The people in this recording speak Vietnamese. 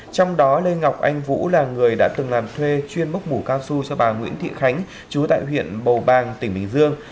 trong đó lê ngọc anh vũ là người đã từng làm thuê chuyên bốc mủ cao su cho bà nguyễn thị khánh chú tại huyện bầu bàng tỉnh bình dương